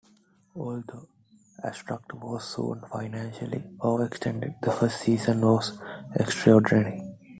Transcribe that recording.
Although Astruc was soon financially overextended, the first season was extraordinary.